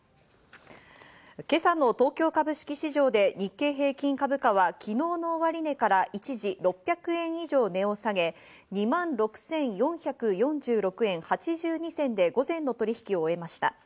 今朝の東京株式市場で日経平均株価は昨日の終値から一時６００円以上値を下げ、２万６４４６円８２銭で午前の取引を終えました。